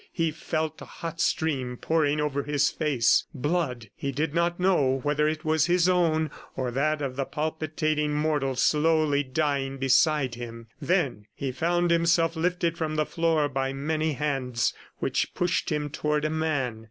He felt a hot stream pouring over his face. Blood! ... He did not know whether it was his own or that of the palpitating mortal slowly dying beside him. Then he found himself lifted from the floor by many hands which pushed him toward a man.